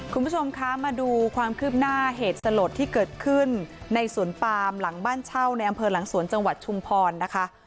คุณผู้ชมคะมาดูความคืบหน้าเหตุสลดที่เกิดขึ้นในสวนปามหลังบ้านเช่าในอำเภอหลังสวนจังหวัดชุมพรนะคะ